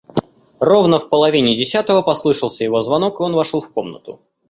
Ровно в половине десятого послышался его звонок, и он вошел в комнату.